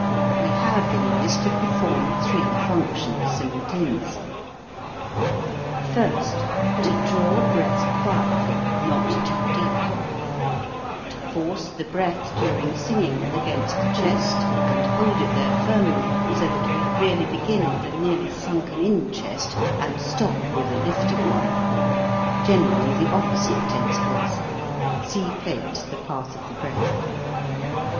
We have in this to perform three functions, simultaneously : First, to draw breath quietly, not too deeply ; to force the breath, during singing, against the chest and hold it there firmly, so that we really begin with a nearly sunken in chest and stop with a lifted one. Generally the opposite takes place. (See plate, The Path of the Breath.)